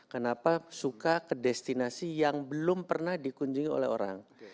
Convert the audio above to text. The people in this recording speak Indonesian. kenapa suka ke destinasi yang belum pernah dikunjungi oleh orang